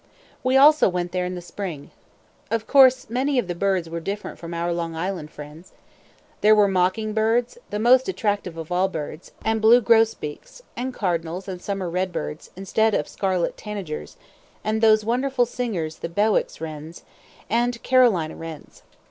We also went there in the spring. Of course many of the birds were different from our Long Island friends. There were mocking birds, the most attractive of all birds, and blue grosbeaks, and cardinals and summer redbirds, instead of scarlet tanagers, and those wonderful singers the Bewick's wrens, and Carolina wrens.